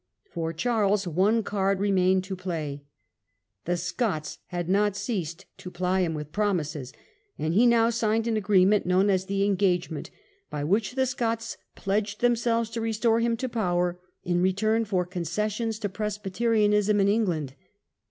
For Charles one card remained to play. The Scots had not ceased to ply him with promises, and he now Charles turns signed an agreement, known as the "Engage to the Scots, ment", by which the Scots pledged them Dec. a6, 1647. selves to restore him to power in return for concessions to Presbyterianism in England.